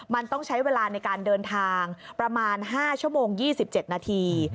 มันต้องใช้เวลาในการเดินทางประมาณ๕ชั่วโมง๒๗นาที